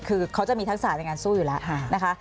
คือเขาจะมีทักษะในการสู้อยู่แล้วนะคะ